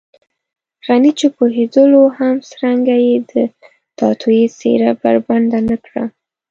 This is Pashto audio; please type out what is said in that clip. غني چې پوهېدلو هم څرنګه يې د توطیې څېره بربنډه نه کړه.